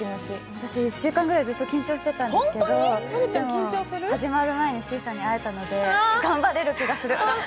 私、１週間くらいずっと緊張していたんですけどでも始まる前にしーちゃんに会えたんで、頑張れる気がする。